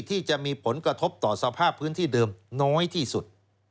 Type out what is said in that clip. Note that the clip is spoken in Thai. ที่จะมีผลกระทบต่อสภาพพื้นที่เดิมน้อยที่สุด